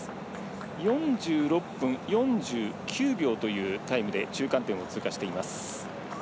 ４６分４９秒というタイムで中間点を通過しています。